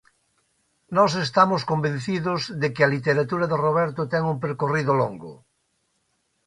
Nós estamos convencidos de que a literatura de Roberto ten un percorrido longo.